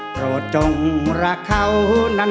โปรดจงรักเขานั้น